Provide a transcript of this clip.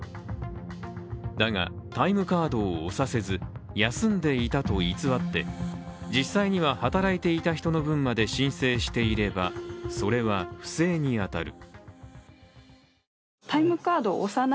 だが、タイムカードを押させず休んでいたと偽って実際には働いた人の分まで申請していればそれは、不正に当たる。